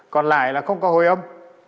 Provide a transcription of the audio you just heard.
còn lại là không có hồi ấm